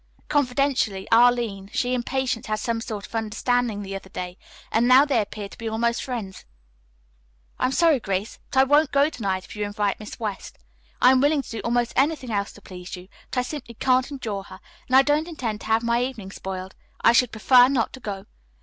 Confidentially, Arline, she and Patience had some sort of understanding the other day and now they appear to be almost friends." "I'm sorry, Grace, but I won't go to night if you invite Miss West. I am willing to do almost anything else to please you, but I simply can't endure her, and I don't intend to have my evening spoiled. I should prefer not to go.